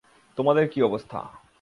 তোমাদের কী অবস্থা?